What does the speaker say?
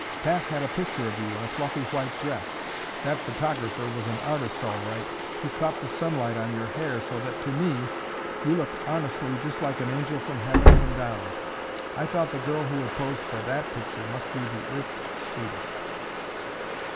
"Pat had a picture of you in a fluffy white dress. That photographer was an artist all right. He caught the sunlight on your hair so that, to me, you looked, honestly, just like an angel from heaven come down. I thought the girl who had posed for that picture must be the earth's sweetest."